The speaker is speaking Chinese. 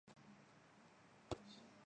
韦洛斯内。